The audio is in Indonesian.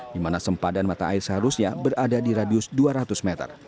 di mana sempadan mata air seharusnya berada di radius dua ratus meter